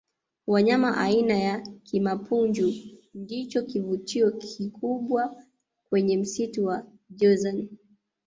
wanyama aina ya kimapunju ndicho kivutio kikubwa kwenye msitu wa jozani